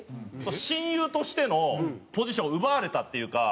親友としてのポジションを奪われたっていうか。